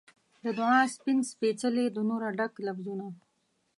د دعا سپین سپیڅلي د نوره ډک لفظونه